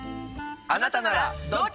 あなたならどっち？